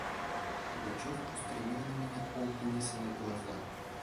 Пугачев устремил на меня огненные свои глаза.